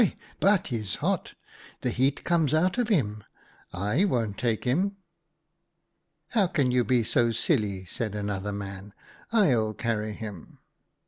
but he's hot ; the heat comes out of him. / won't take him.' "' How can you be so silly ?' said another man. ' /'ll carry him.'